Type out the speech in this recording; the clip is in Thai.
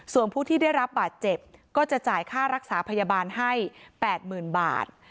ส่วนผู้ที่ได้รับบาดเจ็บก็จะจ่ายค่ารักษาพยาบาลให้๘๐๐๐บาท